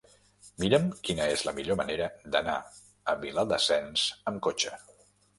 Mira'm quina és la millor manera d'anar a Viladasens amb cotxe.